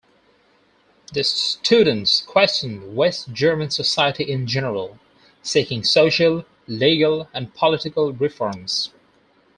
The students questioned West German society in general, seeking social, legal, and political reforms.